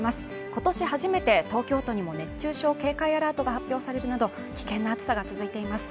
今年初めて東京都にも熱中症警戒アラートが発表されるなど危険な暑さが続いています